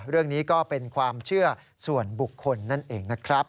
เรื่องนี้ก็เป็นความเชื่อส่วนบุคคลนั่นเองนะครับ